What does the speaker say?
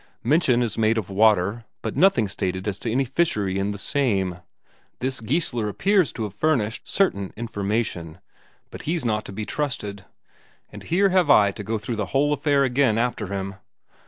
Mention is made of water, but nothing stated as to any fishery in the same. This Geissler appears to have furnished certain information, but he's not to be trusted, and here have I to go through the whole affair again after him.